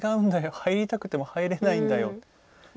入りたくても入れないんだよ。